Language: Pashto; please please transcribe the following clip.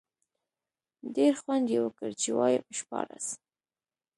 ډېر خوند یې وکړ، چې وایم شپاړس.